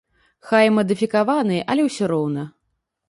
Хай і мадыфікаваны, але ўсё роўна.